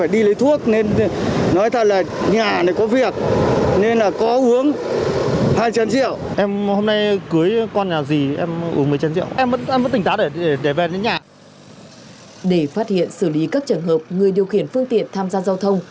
để phát hiện xử lý các trường hợp người điều khiển phương tiện tham gia giao thông